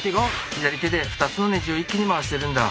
左手で２つのネジを一気に回してるんだ。